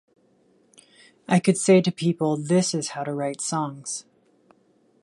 I could say to people this is how to write songs.